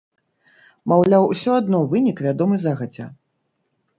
Маўляў, усё адно вынік вядомы загадзя.